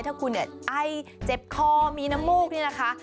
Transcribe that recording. ถ้าคุณเนี่ยไอ้เจ็บคอมีนมูกนี่นะคะ